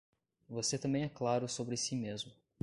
Você também é claro sobre si mesmo